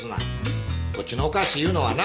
こっちのおかしいいうのはな